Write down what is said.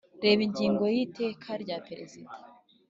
reba ingingo y’iteka rya perezida